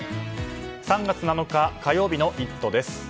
３月７日、火曜日の「イット！」です。